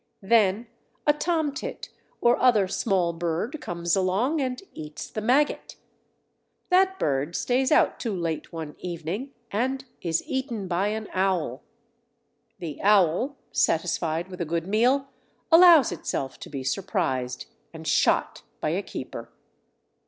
Then a tomtit or other small bird comes along and eats the maggot. That bird stays out too late one evening and is eaten by an owl. The owl, satisfied with a good meal, allows itself to be surprised and shot by a keeper.